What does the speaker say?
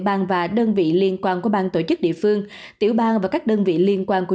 bang và đơn vị liên quan của bang tổ chức địa phương tiểu bang và các đơn vị liên quan của